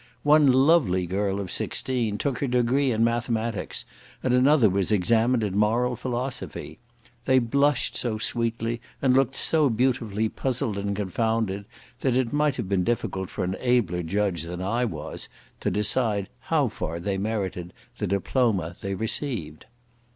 One lovely girl of sixteen took her degree in mathematics, and another was examined in moral philosophy. They blushed so sweetly, and looked so beautifully puzzled and confounded, that it might have been difficult for an abler judge than I was to decide how far they merited the diploma they received.